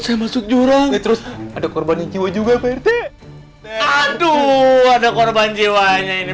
saya masuk jurang terus ada korban jiwa juga berarti aduh ada korban jiwanya ini